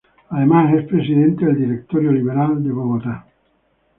Además es Presidente del Directorio Liberal de Bogotá.